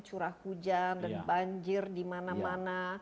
curah hujan dan banjir di mana mana